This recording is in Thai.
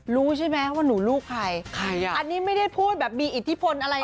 รู้ใช่ไหมว่าหนูลูกใครใครอ่ะอันนี้ไม่ได้พูดแบบมีอิทธิพลอะไร